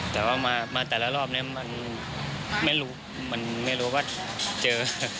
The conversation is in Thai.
แต่ว่ามาแต่ละรอบนี้มันไม่รู้มันไม่รู้ว่าเจอ